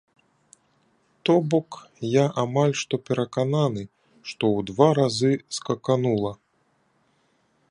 То бок, я амаль што перакананы, што ў два разы скаканула!